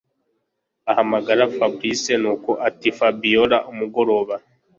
ahamagara Fabric nuko atiFabiora umugoroba